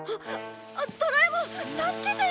ドラえもん助けてよ！